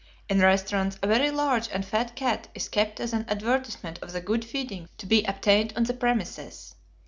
In restaurants, a very large and fat cat is kept as an advertisement of the good feeding to be obtained on the premises.